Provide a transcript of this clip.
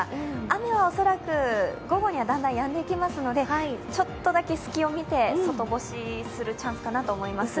雨は恐らく午後にはだんだんやんできますのでちょっとだけ隙を見て外干しするチャンスかなと思います。